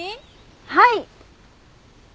はい。